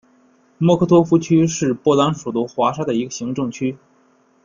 莫科托夫区是波兰首都华沙的一个行政区。